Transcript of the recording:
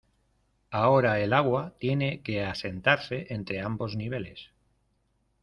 ahora el agua tiene que asentarse entre ambos niveles.